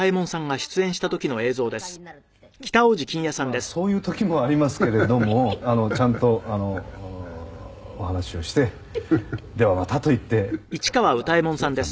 まあそういう時もありますけれどもちゃんとお話をして“ではまた”と言って帰る時もあるんですよちゃんと」